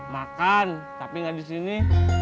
makan tapi nggak di sini